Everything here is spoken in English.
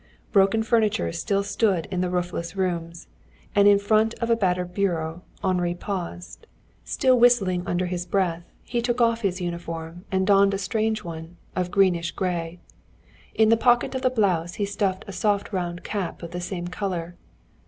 Broken furniture still stood in the roofless rooms, and in front of a battered bureau Henri paused. Still whistling under his breath, he took off his uniform and donned a strange one, of greenish gray. In the pocket of the blouse he stuffed a soft round cap of the same color.